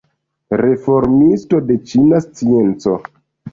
Reformisto de ĉina scienco.